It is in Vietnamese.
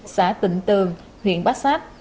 xã tịnh tường huyện bát sát